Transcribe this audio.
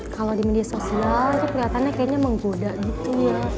kalau di media sosial itu kelihatannya kayaknya menggoda gitu